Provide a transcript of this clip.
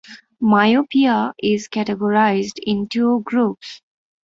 Myopia is categorized in two groups.